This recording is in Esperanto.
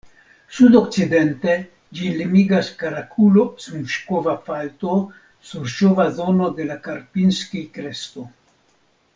Sud-okcidente ĝin limigas Karakulo-Smuŝkova falto-surŝova zono de la Karpinskij-kresto.